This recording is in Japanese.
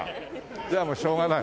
じゃあもうしょうがない。